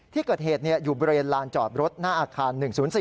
ที่เกิดเหตุอยู่บริเวณลานจอดรถหน้าอาคาร๑๐๔